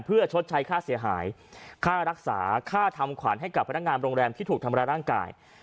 เพื่อชดใช้ค่าเสียหายค่ารักษาค่าทำขวัญให้กับพนักงานโรงแรมที่ถูกทำร้ายร่างกาย